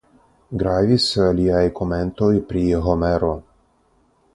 Gravis liaj komentoj pri Homero.